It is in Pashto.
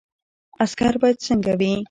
عسکر باید څنګه وي؟